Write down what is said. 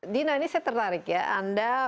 dina ini saya tertarik ya anda